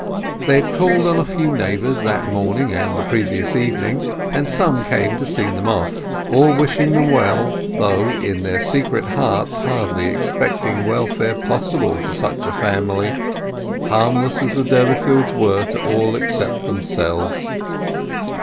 They had called on a few neighbours that morning and the previous evening, and some came to see them off, all wishing them well, though, in their secret hearts, hardly expecting welfare possible to such a family, harmless as the Durbeyfields were to all except themselves.